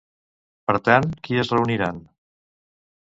Per tant, qui es reuniran?